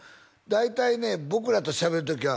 「大体ね僕らとしゃべる時は」